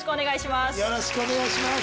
よろしくお願いします。